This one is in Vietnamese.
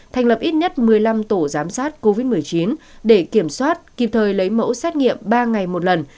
thành lập ít nhất một mươi năm tổ giám sát covid một mươi chín để kiểm soát kịp thời lấy mẫu xét nghiệm ba ngày một lần